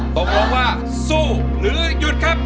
ตกลงว่าสู้หรือหยุดครับ